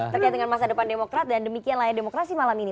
terkait dengan masa depan demokrat dan demikian layar demokrasi malam ini